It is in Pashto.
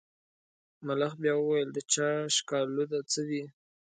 ملخ بیا وویل د چا ښکالو ده څه دي.